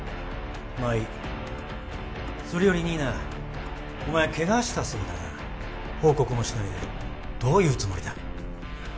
まあいいそれより新名お前ケガしたそうだな報告もしないでどういうつもりだ